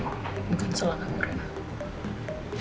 bukan salah kamu rena